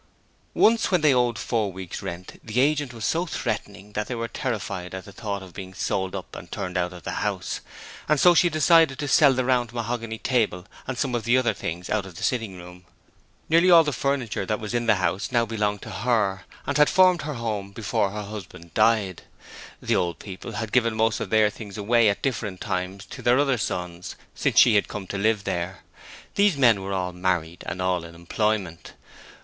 Once, when they owed four weeks' rent, the agent was so threatening that they were terrified at the thought of being sold up and turned out of the house, and so she decided to sell the round mahogany table and some of the other things out of the sitting room. Nearly all the furniture that was in the house now belonged to her, and had formed her home before her husband died. The old people had given most of their things away at different times to their other sons since she had come to live there. These men were all married and all in employment.